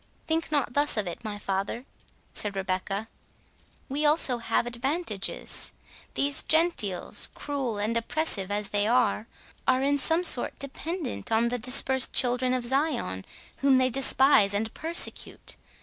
"Think not thus of it, my father," said Rebecca; "we also have advantages. These Gentiles, cruel and oppressive as they are, are in some sort dependent on the dispersed children of Zion, whom they despise and persecute.